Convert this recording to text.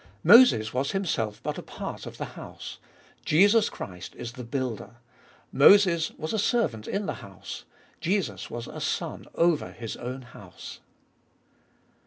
Moses was himself but a part of the house : Jesus Christ is the builder. Moses was a servant in the house ; Jesus was a Son over His own house.